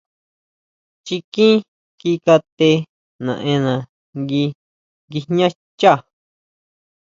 Chikín ki kate naʼena ngui nguijñá xchá.